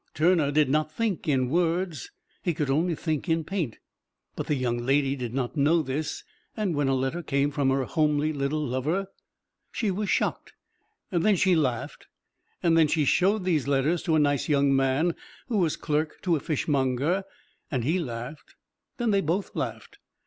Turner did not think in words he could only think in paint. But the young lady did not know this, and when a letter came from her homely little lover she was shocked, then she laughed, then she showed these letters to a nice young man who was clerk to a fishmonger and he laughed, then they both laughed.